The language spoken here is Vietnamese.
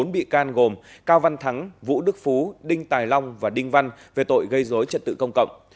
bốn bị can gồm cao văn thắng vũ đức phú đinh tài long và đinh văn về tội gây dối trật tự công cộng